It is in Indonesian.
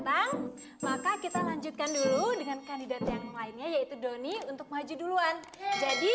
datang maka kita lanjutkan dulu dengan kandidat yang lainnya yaitu doni untuk maju duluan jadi